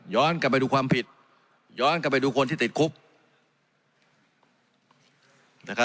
กลับไปดูความผิดย้อนกลับไปดูคนที่ติดคุก